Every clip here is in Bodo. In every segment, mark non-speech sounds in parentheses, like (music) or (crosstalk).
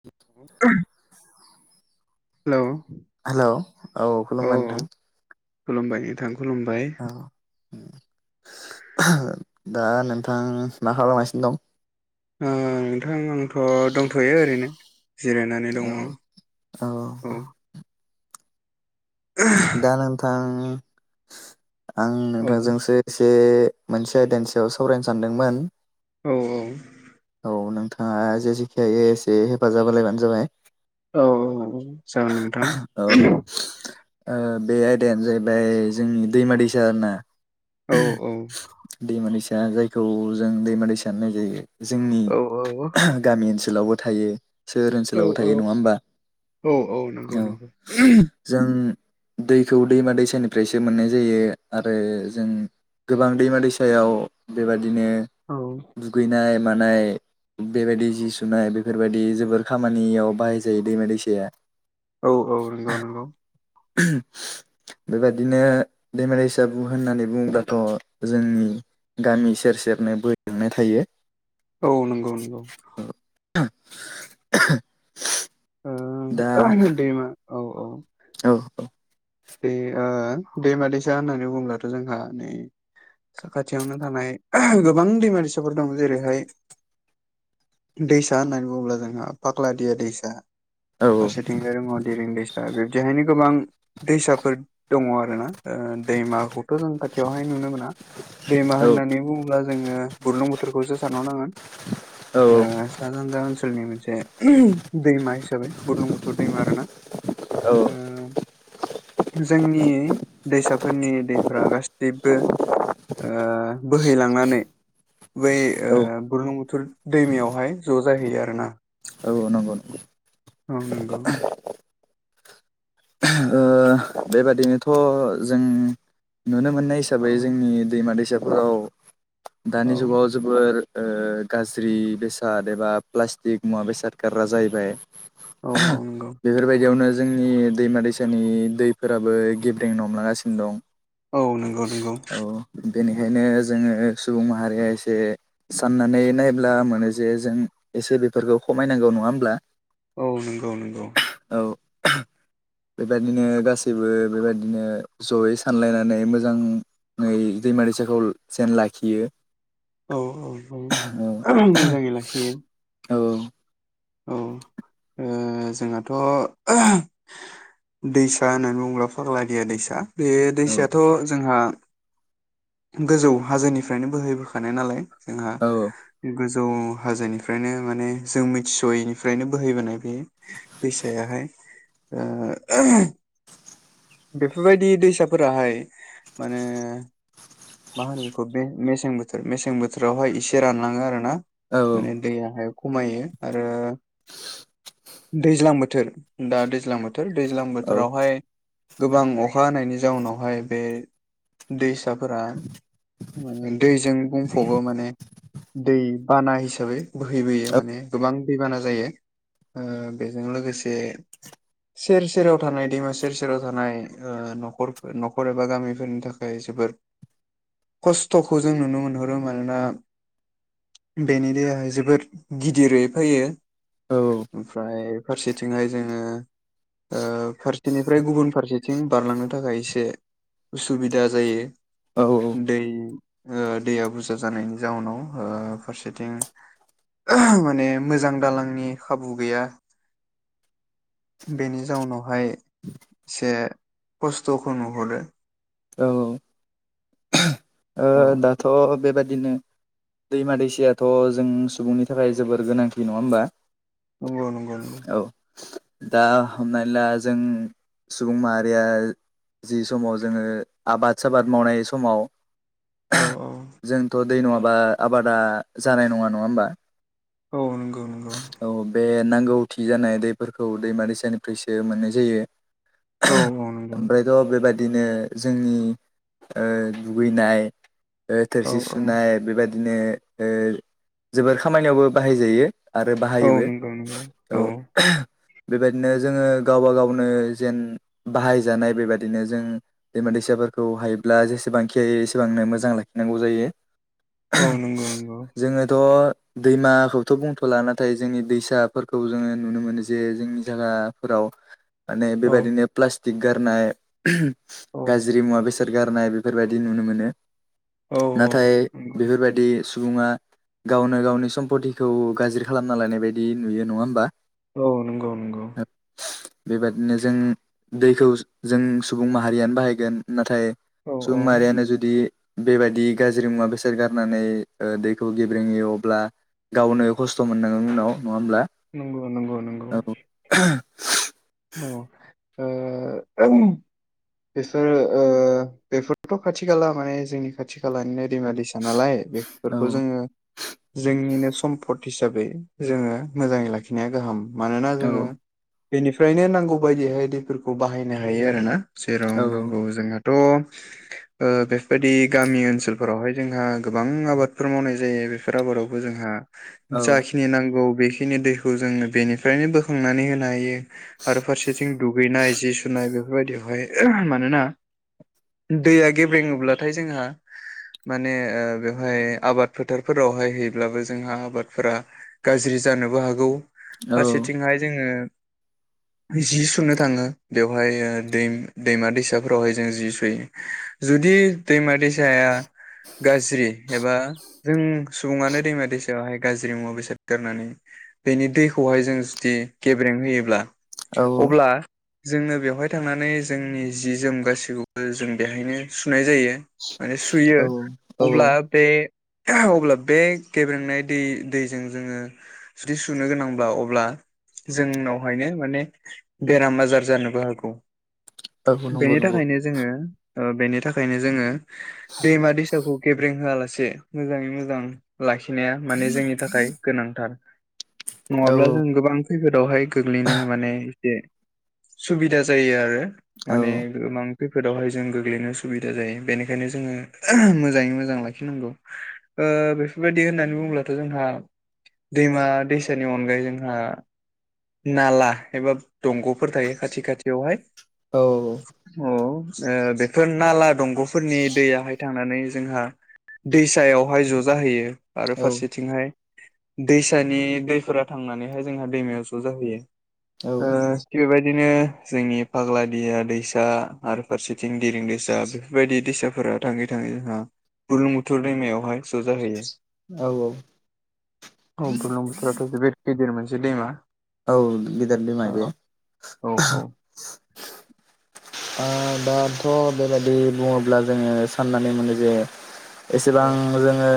(unintelligible) हेल' हेलौ औ। खुलुमबाय नोंथां खुलुमबाय नोथां खुलुमबाय। औ दा नोंथां मा खालामगासिनो दं? ओ नोंथां आंथ' दंथ'यो ओरैनो जिरायनानै दङ औ औ। दा नोंथां आं औ नोंथांजोंसो एसे। मोनसे आयदानिसायाव सावरायनो सानदोंमोन। औ औ। औ नोंथाङा जेसेखि हायो एसे हेफाजाब होलायबानो जाबाय। औ औ औ जागोन नोंथां। औ ओ बे आयदायानो जाहैबाय जोंनि दैमा दैसा आरोना। औ औ। दैमा दैसा जायखौ जों दैम दै सा होननाय जायो जोंनि औ गामि ओनसोलावबो। थायो सोहोर औ ओनसोलावबो थायो नङा औ होमबा। औ नंगौ औ नंगौ जों। दैखौ दैमा दैसानिफ्रायसो मोननाय जायो आरो जों। गोबां दैमा दैसायाव बेबादिनो औ दुगैनाय मानाय। बेबायदि जि सुनाय बेफोरबायदि जोबोर खामानियाव बाहाय जायो दैमा दैसाया। औ औ नंगौ नंगौ। (inaudible) बेबादिनो दैमा दैसागु होननानै बुङोबाथ जोंनि। गामि सेर सेरनो बोहैलांनाय थायो। औ नंगौ नंगौ (inaudible) दा (inaudible) दैमाऔ औ औ औ औ। बे ओ दैमा दैसा होननानै बुङोब्लाथ जोंहा नै। साखाथियावनो थानाय गोबां दैमा दैसाफोर दं जेरैहाय। दैसा होननानै बुङोब्ला जोंहा फागलादिया दैसा। औ फारसेथिंजाय दिरिं दैसा बिब्दिहायनो गोबां दैसाफोर। दङ आरोोना दैमाखौथ जों खाथियावहाय नुनो मोना। दैमा औ होननानै बुङोब्ला जोङो बुरलुं बोथोरखौसो सानहरनांगोन। औ ओ सासानजा ओनसो। ओनसोलनि मोनसे दैमा हिसाबै बुरलुंबुथुर दैमा आरो ना। औ ओ। जोंनि दैसाफोरनि दैफ्र गासैबो। ओ बोहैलांनानै। बै औ बुरलुं बुथुर दैमायावहाय ज जाहैयो आरोना। औ नंगौ औ नंगौ। ओ बेबादिनोथ जों नुनो मोननाय औ हिसाबै जोंनि दैमा दैसा। (inaudible) दानि औ जुगाव जोबोर गाज्रि बेसाद एबा प्लास्टिक मुवा बेसाद गार्राग्रआ जाहैबाय औ नंगौ बेफोरबायदियावनो जोंनि दैमा दैसानि दै। फोराबो गेब्रें नमलांगासिनो दं। औ नंगौ नंगौ। औ बेनिखायनो जोङो सुबुं माहारिया एसे साननानै नायब्ला मोनो जे जों। एसे बेफोरखौ खमायनांगौ नङा होमब्ला। औ नंगौ नंगौ। औ बेबायदिनो गासै। गासैबो बेबायदिनो जयै सानलायनानै मोजां नै दैमा दैसाखौ जेन लाखियो। औ औ मोजाङै लाखिगोन। औ औ औ ओ जोंहाथ दैसा होननानै बुङोब्ला फाग्ला दिया दैसा बे औ दैसायाथ जोंहा गोजौ हाजोनिफ्रायनो बोहैबोखानाय नालाय जोंहा औ गोजौ जौ हाजोनिफ्रायनो माने जों मिन्थिसहैनिफ्रायनो बोहैबोनाय बेयो दैसायाहाय (unintelligible) बेफोरबायदि दैसाफोराहाय माने मा होनो बेखौ मेसें बोथोर मेसें बोथोरावहाय एसे रानलाङो आरोना। औ माने दैयाहाय खमायो आरो दैज्लां बोथोर दा दैज्लां बोथोर दैज्लां औ बोथोरावहाय गोबां अखा हानायनि जाउनावहाय बे दैसाफोरा माने दैजों बुंफबो माने दै बाना हिसाबै बोहैबोयो माने गोबां दैबाना जायो। ओ बेजों लोगोसे सेर सेराव थानाय दैमा सेर सेराव थानाय ओ न'खर न'खर एबा गामिफोरनि थाखाय जोबोद खस्थ'खौ जों नुनो मोनहरो मानोना बेनि देआ जोबोर गिदिरै फैयो औ औ ओमफ्राय फारसेथिंहाय जोङो ओ फारसेनिफ्राय गुबुन फारसेथिं बारलांनो थाखाय एसे उसुबिदा जायो। औ दै दैया बुरजा जानायनि जावनाव फारसेथिं माने मोजां दालांनि खाबु गैया बेनि जाउनावहाय से खस्थ' खो नुहरो औ ओ औ दाथ' बेबायादि बिदिनो दैमा दैसायथ' जों सुबुंनि थाखाय जोबोर गोनांथि नङा होमबा नंगौ नंगौ नोंगौ। औ दा हमनानै ला जों सुबुं माहारिया जि समाव जोङो आबाद साबाद मावनाय समाव औ औ जोंथ' दै नङाबा आबादा जानाय नङा नङा होमबा। औ नंगौ नंगौ औ बे नांगौथि जानाय दैफोरखौ दैमा दैसानिफ्रायसो मोननाय जायो। औ औ नंगौ ओमफ्रायथ' बेबायदिनो जोंनि ओ दुैनाय थोरसि औ सुनाय बेबायदि बिदिनो ओ जोबोर खामानियावबो बाहायजायो आरो औ बाहायोबो नंगौ नंगौ औ। बेबायदिनो जोङो गावब गावनो जेन बाहायजानाय बेबायदिनो जों दैमा दैसा फोरखौ हायोब्ला जेसेबांखि हायो एसेबांनो मोजां लाखिनांगौ जायो। औ नंगौ नंगौ जोङोथ' दैमाखौथ' बुंथ'ला नाथाय जोंनि दैसाफोरखौ जोङो नुनो मोनो जे जोंनि जायगाफोराव औ माने औ बेबायाददिनो प्लास्टिक गारनाय औ गाज्रि मुवा बेसाद गारनाय बे बेफोरबायदि नुनो मोनो औ नाथाय नंगौ बेफोरबायादि सुबुङा गावनो गावनि सम्पतिखौ गाज्रि खालामना लायानाय बायदि नुयो नङा होमबा औ नंगौ नंगौ। बेबादिनो जों दैखौ जों सुबुं माहारियानो बाहायगोन नाथाय औ सुबु औ माहारिआनो जुदि बेबायदि गाज्रि मुवा बेसाद गारनानै ओ दैखौ गेब्रेङयो अब्ला गावनो खस्थ' मोननांगो उनाव नङा होमब्ला? नंगौ औ। अ ओ बेफोरो ओ बेफोरथ' खाथि खाला माने जोंनि खाथि खालानिनो मा दैसा नालाय औ बेफोरखौ जोङो जोंनिनो सम्पद हिसाबै जोङो मोजाङै लाखिनाया गाहाम मानोना औ जोङो बेनि फ्रायनो नांगौ बायदिहाय दैफोरखौ बाहायनो हायो आरो ना जेराव औ नांगौ जोंहाथ' ओ बेफोरबायदि गामि ओनसोलफोरावहाय जोंहा गोबां आबादफोर मावनाय जायो बेफोर आबादावबो जोंहा औ जाखिनि नांगौ बेखिनि दैखौ जोङो बेनिफ्रायनो बोखांनानै होनो हायो। आरो फारसेथिं दुगैनाय जि सुनाय बेफोरबायदियावहाय मानोना दैया गेब्रेङोब्लाथाय जोंहा माने बेवहाय आबाद फोथारफोरावहाय हैब्लाबो जोंहा आबादफोरा गाज्रि जानोबो हागौ। औ फारसेथिंहाय जोङो जि सुनो थाङो बेवहाय ओ दै दैमा दैसाफोरावहाय जों जि सुयो जुदि दैमा दैसा जु गाज्रि एबा जों सुबुङानो दैमा दैसायावहाय गाज्रि मुवा बेसाद गारनानै बेनि दैखौहाय जों जुदि गेब्रें होयोब्ला अब्ला जोंनो बेवहाय थांनानै जोंनि जि जोम गाैखौबो जों बेहायनो सुनाय जायो। माने सुयो औ औ अब्ला बे अब्ला बे गेब्रेंनाय दै दैजों जोङो जुदि सुनो गोनांब्ला अब्ला जोंनावहायनो माने बेराम आजार जानोबो हागौ। औ ओ नंगौ बेनि नंगौ थाखायनो जोङो दैमा दैसाखौ गेबें होआलासे ए मोजाङै मोजां लाखि नाया माने जोंनि थाखाय गोनांथार। औ नङाब्ला जों गोबां खैफोदावहाय गोग्लैनो माने एसे सुबिदा जायो आरो औ माने गोबां (inaudible) ओ बेफोरबायदि होननानै बुङोब्लाथ' जोंहा दैमा दैसानि अनगायै जोंहा नाला एबा दंग'फोर थायो खाथि खाथियावहाय। औ। औ ओ बेफोर नाला दंग'फोरनि दैयाहाय थांनानै जोंहा दैसायावहाय ज' जाहैयो आरो औ फारसेथिंहाय दैसानि दैफोरा थांनानैहाय जोंहा दैमायाव ज' जाहैयो। औ ओ बेबाय बिदिनो जोंनि फाग्लादिया दैसा आरो फारसेथिं देरिं दैसा बेफोरबायदि दैसाफोर थाङै थाङै जोंहा बुरलुं बुथुर दैमायावहाय स'जाहैयो। औ औ बुरलुं बुथुर जोबोद गिदिर मोनसे दैमा। औ गिदिर दैमा औ बे। औ ओ दाथ' बेबायदि बुङोब्ला जोङो साननानै मोनो जे औ एसेबां जोङो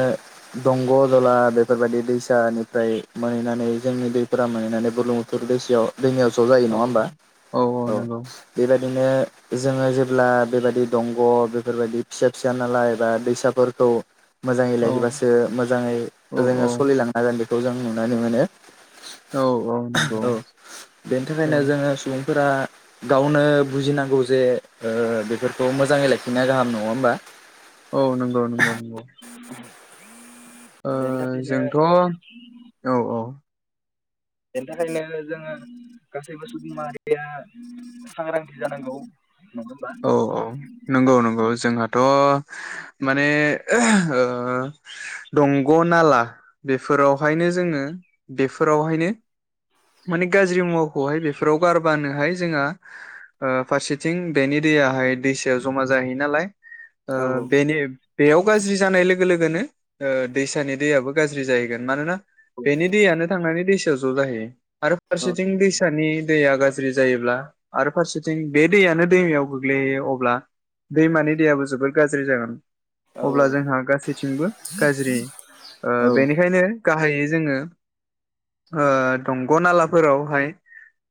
दंग' दला बेफोरबायदि दैसानिफ्राय मोनहैनानै जोंनि दैफोरा मोनहैनानै बुरलुं बुथुर दैसा दैमायाव ज' जायो नङा होमबा औ औ नंगौ बेबायदिनो जोङो जेब्ला बेबायदि दंग' बेफोरबायदि फिसा फिसा नालाय बा दैसाफोरखौ मोजाङै औ लायैबासो मोजाङै औ जोङो औ स'लिलांनो हागोन बेखौ जों नुनानै मोनो। औ नंगौ औ बेनि औ थाखायनो जोङो सुबुं फोरा गावनो बुजिनांगौ जे ओ बेफोरखौ मोजाङै लाखिनाया गाहाम नङा होमबा? औ नंगौ नंगौ नंगौ। ओ बेनि थाखायनो जोंथ' औ औ। बेनि थाखायनो जोङो गासैबो सुबुं माहारिया सांग्रांथि जानांगौ। नङा होमबा औ औ नंगौ नंगौ जोंहाथ' (inaudible) माने ओ दंग' नाला बेफोरावहायनो जोङो बेफोरावहायनो माने गाज्रि मुवाखौहाय बेफोराव गारबानोहाय जोंहा ओ फारसेथिं बेनि दैयाहाय दैसायाव जमा जाहैयो नालाय औ ओ बे नि बेयाव गाज्रि जानाय लोग लोगो लोगोनो ओ दैसानि दैआबो गाज्रि जाहैगोन मानोना बेनि दैनो थांनानै दै आव ज जाहैयो आरो फारसेथिं दैसानि दैया गाज्रि जायोब्ला आरो फारसेथिं बे दैआनो दैमायाव गोग्लैहयो अब्ला दैमानि दैयाबो जोबोर गाज्रि जागोन। औ अब्ला जोंहा गासैथिंबो गाज्रि ओ औ बेनिखायनो गाहायै जोङो ओ दंग' नालाफोरावहाय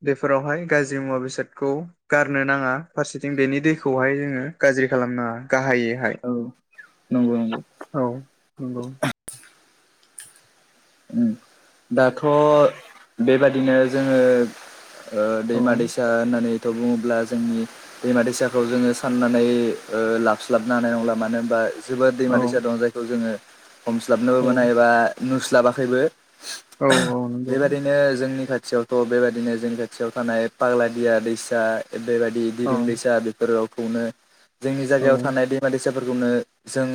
बेफोरावहाय गाज्रि मुवा बेसादखौ गारनो नाङा फारसेथिं बेनि दैखौहाय जोङो गाज्रि खालामनाङा। गाहायैहाय औ नंगौ नंगौ औ नंगौ। उम दाथ' बेबादिनो जोङो ओ औ दैमा दैसा होननानै थ' बुङोब्ला जोंनि दैमा दैसाखौ जोङो साननानै ओ लाबस्लाबनो हानाय नंला मानो होनबा जोबोद औ दैमा दैसा दं जायखौ जोङो हमस्लाबनोबो औ मोना एबा नुस्लाबाखैबो औ औ नंगौ बेबादिनो जोंनि खाथि खाथियावथ' बेबायदिनो जोंनि खाथियाव थानाय पाग्लादिया दैसा बेबायदि औ दिरिं दैसा बेफोराव खौनो जोंनि औ जायगायाव थानाय दैमा दैसा फोरखौनो जों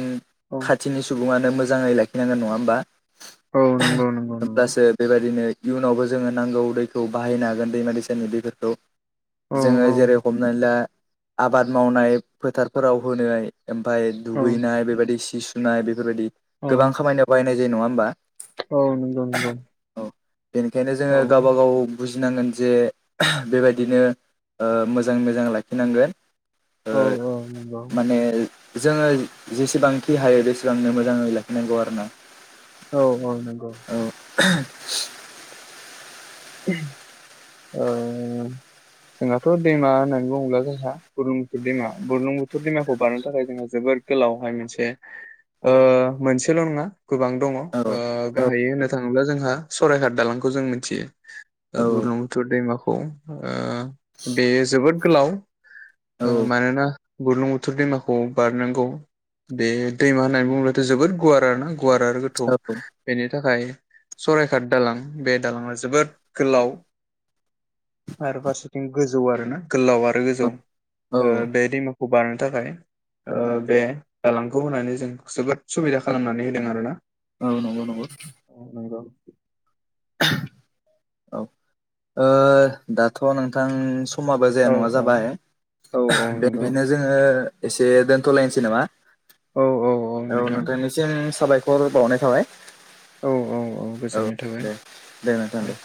औ खाथिनि सुबुङनो मोजाङै लाखिनांगोन नङा होमबा? औ नंगौ नंगौ नंगौ होमब्लासो बेबायदिनो इयुनावबो जोङो नांगौ दैखौ बाहायनो हागोन दैमा दैसानि दैफोरखौ। औ जोङो औ जेरै हमनानै ला आबाद मावनाय फोथारफोराव होनाय ओमफाय औ दुगैनाय बेबायदि सि सुनाय बेफोरबायदि औ गोबां खामानियाव बाहायनाय जायो नङा होमबा? औ नंगौ नंगौ। औ बेनिखायनो औ जोङो गावबागाव बुजिनांगोन जे बेबायदिनो ओ मोजां मोजां लाखिनांगोन। ओ औ औ नंगौ। माने जोङो जेसेबांखि हायो बेसेबांनो मोजाङै लाखिनांगौ आरोना। औ औ नंगौ। (unintelligible) ओ। जोंहाथ' दैमा होननानै बुङोब्ला जोंहा बुरलुं बुथुर दैमा बुरलुं बुथुर दैमाखौ बारनो थाखाय जोंङो जोबोद बोद गोलावहाय मोनसे ओ मोनसेल' नङा गोबां दङ ओ औ औ गाहाय होननो थाङोब्ला जोंहा सरायघाट दालांखौ जों मिथियो। ओ बुरलुं बुथुर दैमाखौ ओ बेयो जोबोद गोलाव। औ ओ मानोना बुरलुं बुथुर दैमाखौ बारनांगौ बे दैमा होननानै बुङोब्लाथ' जोबोद गुवार आरो ना। गुवार आरो गोथौ औ बेनि थाखाय सराइखाट दालां बे दालाङा जोबोद गोलाव आरो फारसेथिं गोजौ आरोना गोलाव आरो गोजौ। औ ओ बे दैमाखौ बारनो थाखाय ओ बे दालांखौ होनानै जों जोबोद सुबिदा खालामनानै होदों आरोना। ओ नंगौ नंगौ। औ नंगौ। औ ओ दाथ' नोंथां स समाबो जाया औ नङा औ जाबाय औ औ नंगौ बेनिखायनो जोङो एसे दोनथ'लायनोसै नामा औ औ औ नोंथां नोंथांनिसिम साबायखर खर बावनाय थाबाय। औ औ औ गोजोननाय थाबाय। दे नोंथां दे।